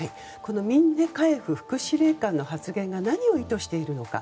ミンネカエフ副司令官の発言が何を意図しているのか。